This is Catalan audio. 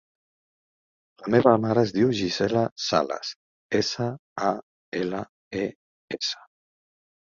La meva mare es diu Gisela Sales: essa, a, ela, e, essa.